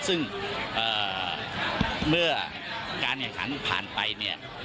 ซึ่งเมื่อการแข่งขันผ่านไปเนี่ย